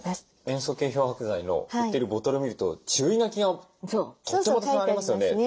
塩素系漂白剤の売ってるボトル見ると注意書きがとてもたくさんありますよね。